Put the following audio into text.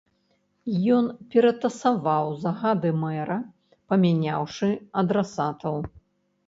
Ён ператасаваў загады мэра, памяняўшы адрасатаў.